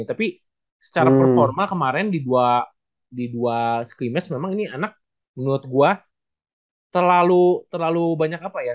tapi secara performa kemarin di dua scrimage memang ini anak menurut gue terlalu banyak apa ya